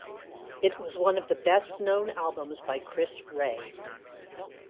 It was one of the best-known albums by Chris Rea.